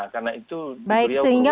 karena itu dia umum